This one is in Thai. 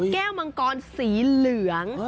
แก้วมังกรสีเหลือง